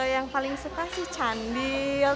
yang paling suka sih candil